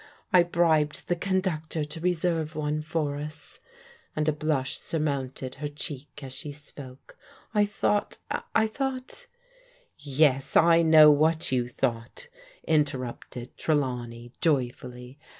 " I bribed the conductor to reserve one for us," and a blush surmounted her cheek as she spoke, " I thought — I thought " "Yes, I know what you thought," interrupted Tre lawney joyfully.